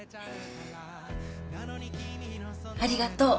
ありがとう。